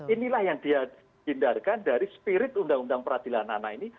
inilah yang dia hindarkan dari spirit undang undang peradilan anak ini